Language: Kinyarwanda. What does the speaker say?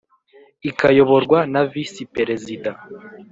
ikayoborwa na Visi Perezida